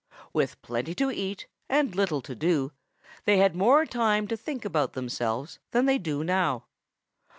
With plenty to eat and little to do, they had more time to think about themselves than they do now.